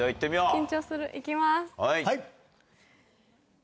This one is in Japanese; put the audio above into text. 緊張する行きます。